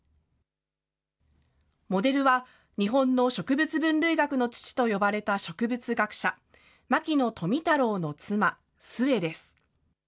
モデルは、日本の植物分類学の父と呼ばれた植物学者、牧野富太郎の妻、壽衛です。